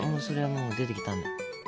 そりゃもう出てきたんだよ。